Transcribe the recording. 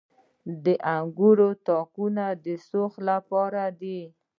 د انګورو تاکونه د سوخت لپاره دي.